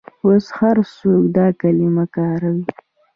اوس هر څوک دا کلمه کاروي.